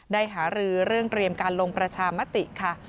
หารือเรื่องเตรียมการลงประชามติค่ะ